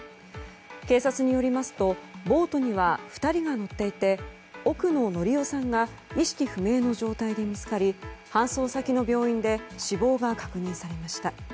警察によりますとボートには２人が乗っていて奥野詔生さんが意識不明の状態で見つかり搬送先の病院で死亡が確認されました。